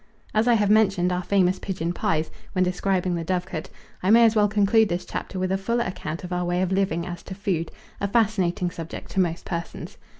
As I have mentioned our famous pigeon pies, when describing the dovecote, I may as well conclude this chapter with a fuller account of our way of living as to food, a fascinating subject to most persons.